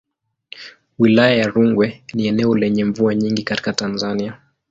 Wilaya ya Rungwe ni eneo lenye mvua nyingi katika Tanzania.